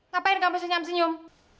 ngapain kamu senyam senyum